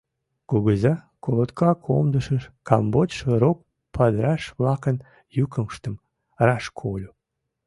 Кугыза колотка комдышыш камвочшо рок падыраш-влакын йӱкыштым раш кольо.